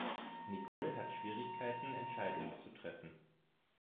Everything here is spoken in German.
Nicole hat Schwierigkeiten Entscheidungen zu treffen.